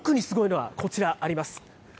特にすごいのはこちら、あります。